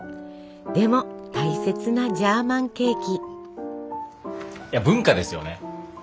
でも大切なジャーマンケーキ。